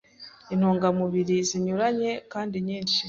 intungamubiri zinyuranye kandi nyinshi